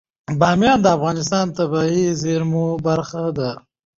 بامیان د افغانستان د طبیعي زیرمو برخه ده.